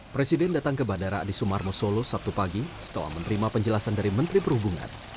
presiden datang ke bandara adi sumarmo solo sabtu pagi setelah menerima penjelasan dari menteri perhubungan